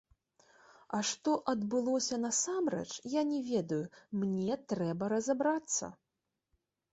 А што адбылося насамрэч, я не ведаю, мне трэба разабрацца.